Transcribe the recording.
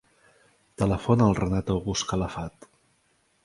Telefona al Renat August Calafat.